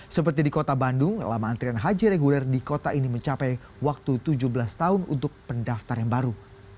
seperti di kota bandung lama antrian haji reguler di kota ini mencapai waktu tujuh belas tahun untuk pendaftar yang baru